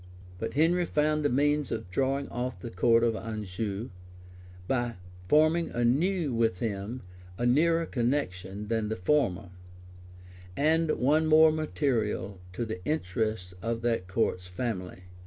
But Henry found the means of drawing off the count of Anjou, by forming anew with him a nearer connection than the former, and one more material to the interests of that count's family.